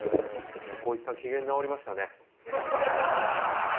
光一さん機嫌直りましたね。